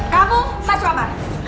kamu masuk abang